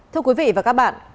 thưa quý vị và các bạn